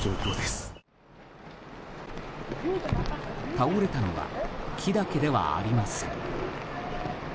倒れたのは木だけではありません。